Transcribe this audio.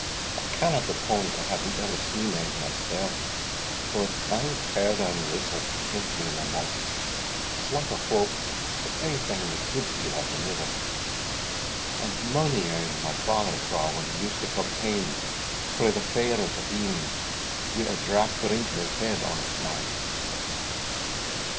I canna depone to having ever seen ane mysell, but, I ance heard ane whistle ahint me in the moss, as like a whaup [Curlew] as ae thing could be like anither. And mony ane my father saw when he used to come hame frae the fairs at e'en, wi' a drap drink in his head, honest man."